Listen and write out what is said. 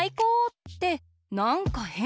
ってなんかへん。